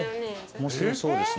面白そうですね。